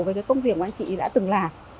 với cái công việc mà anh chị đã từng làm